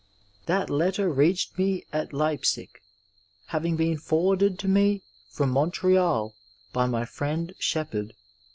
That letter reached me at Leipsic, having been forwarded to me from Montreal by my friend Shepherd.